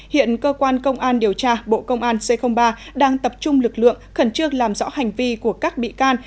hiện cơ quan công an điều tra bộ công an c ba đang tập trung lực lượng khẩn trương làm rõ hành vi của các bị can